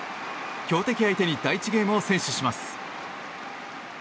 強敵相手に第１ゲームを先取します。